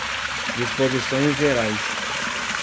Disposições Gerais